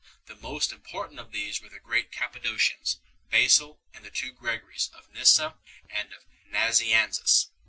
The most important of these were the great Cappadocians, Basil and the two Gregories, of Nyssa and of Nazianzus.